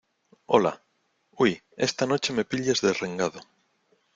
hola. uy, esta noche me pillas derrengado .